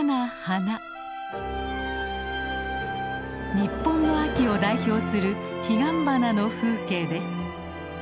日本の秋を代表するヒガンバナの風景です。